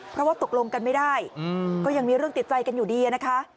เพราะว่าตกลงกันไม่ได้ก็ยังมีเรื่องติดใจกันอยู่ดีนะคะ